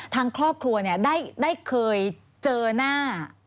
ทางครอบครัวได้เคยเจอหน้า